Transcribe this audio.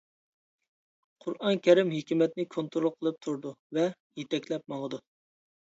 قۇرئان كەرىم ھېكمەتنى كونترول قىلىپ تۇرىدۇ ۋە يېتەكلەپ ماڭىدۇ.